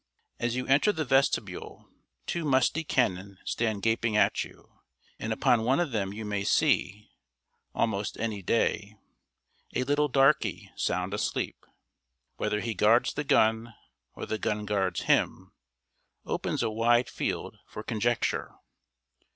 As you enter the vestibule two musty cannon stand gaping at you, and upon one of them you may see, almost any day, a little "darkey" sound asleep. Whether he guards the gun, or the gun guards him, opens a wide field for conjecture.